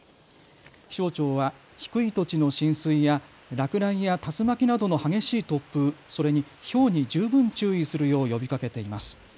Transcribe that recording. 気象庁は低い土地の浸水や落雷や竜巻などの激しい突風、それにひょうに十分注意するよう呼びかけています。